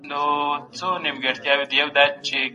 موږ په پوهنتون کي د سافټویر انجینري لولو.